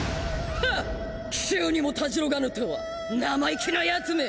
ハッ奇襲にもたじろがぬとは生意気なヤツめ！